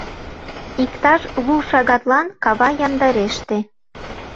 Иктаж лу шагатлан кава яндареште.